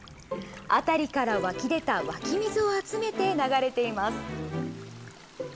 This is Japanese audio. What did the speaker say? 辺りから湧き出た湧き水を集めて流れています。